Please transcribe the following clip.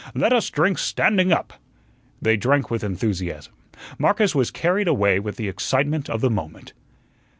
Let us drink standing up." They drank with enthusiasm. Marcus was carried away with the excitement of the moment.